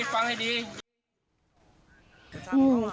ฟังให้ดีฟังให้ดี